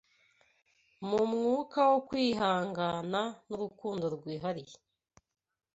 Mu mwuka wo kwihangana n’urukundo rwihariye